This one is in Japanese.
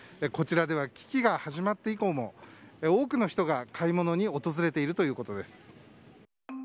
こちらでは危機が始まって以降も多くの人が買い物に訪れているということです。